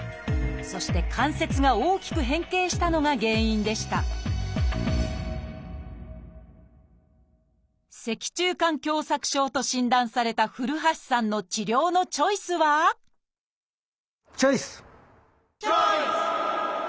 そして関節が大きく変形したのが原因でした「脊柱管狭窄症」と診断された古橋さんの治療のチョイスはチョイス！